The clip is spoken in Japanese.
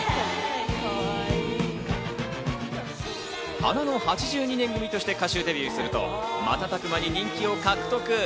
花の８２年組として歌手デビューすると、瞬く間に人気を獲得。